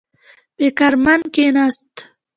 فکر مند کېناست.